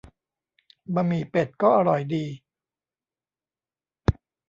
บะหมี่เป็ดก็อร่อยดี